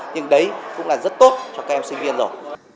nhưng đấy cũng là rất tốt cho các em sinh viên rồi